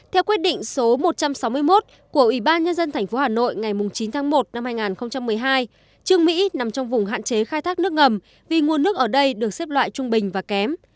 theo quyết định số một trăm sáu mươi một của ủy ban nhân dân tp hà nội ngày chín tháng một năm hai nghìn một mươi hai trương mỹ nằm trong vùng hạn chế khai thác nước ngầm vì nguồn nước ở đây được xếp loại trung bình và kém